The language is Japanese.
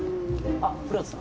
あっ古畑さん。